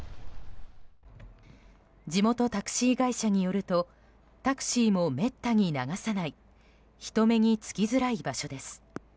地元タクシー会社によるとタクシーもめったに流さない人目につきづらい場所です。